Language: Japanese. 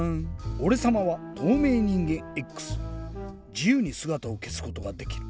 じゆうにすがたをけすことができる。